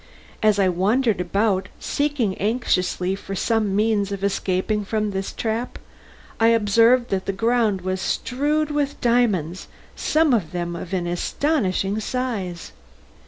As I wandered about, seeking anxiously for some means of escaping from this trap, I observed that the ground was strewed with diamonds, some of them of an astonishing size.